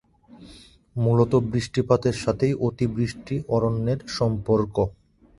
মূলত বৃষ্টিপাতের সাথেই অতিবৃষ্টি অরণ্যের সম্পর্ক।